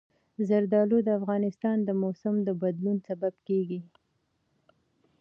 زردالو د افغانستان د موسم د بدلون سبب کېږي.